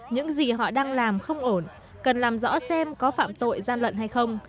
những gì họ đang làm không ổn cần làm rõ xem có phạm tội gian lận hay không